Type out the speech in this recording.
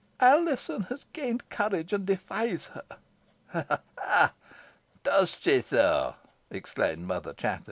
Alizon has gained courage and defies her." "Ha! does she so?" exclaimed Mother Chattox.